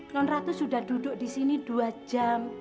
non ratu sudah duduk disini dua jam